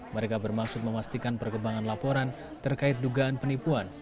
mereka bermaksud memastikan perkembangan laporan terkait dugaan penipuan